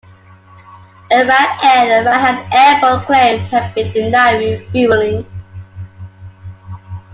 Iran Air and Mahan Air both claimed to have been denied refuelling.